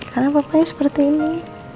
karena papanya seperti ini